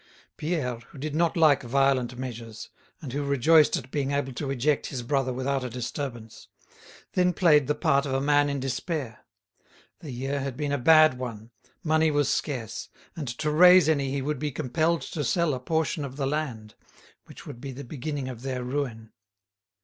Pierre, who did not like violent measures, and who rejoiced at being able to eject his brother without a disturbance, then played the part of a man in despair: the year had been a bad one, money was scarce, and to raise any he would be compelled to sell a portion of the land, which would be the beginning of their ruin.